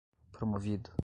promovido